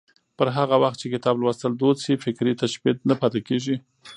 پر هغه وخت چې کتاب لوستل دود شي، فکري تشې نه پاتې کېږي.